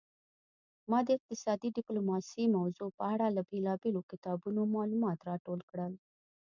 ما د اقتصادي ډیپلوماسي موضوع په اړه له بیلابیلو کتابونو معلومات راټول کړل